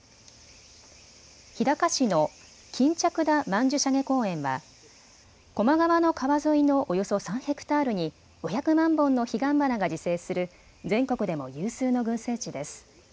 日高市の巾着田曼珠沙華公園は高麗川の川沿いのおよそ３ｈａに５００万本のヒガンバナが自生する全国でも有数の群生地です。